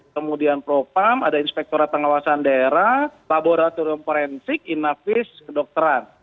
kemudian propam ada inspektora pengawasan daerah pak boraturum forensik kinafis kedokteran